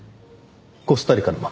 コスタリカの豆。